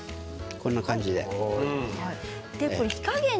こんな感じで。